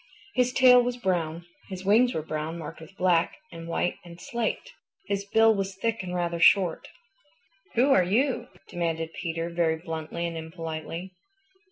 His tail was brown. His wings were brown, marked with black and white and slate. His bill was thick and rather short. "Who are you?" demanded Peter very bluntly and impolitely.